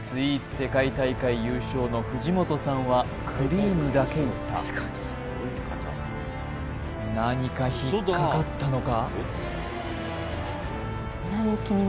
世界大会優勝の藤本さんはクリームだけいった何か引っかかったのか？